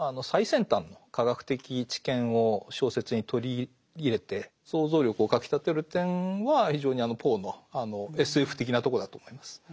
最先端の科学的知見を小説に取り入れて想像力をかきたてる点は非常にポーのＳＦ的なとこだと思います。